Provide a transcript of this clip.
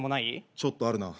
ちょっとあるなぁ。